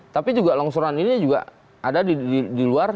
tapi juga longsoran ini juga ada di luar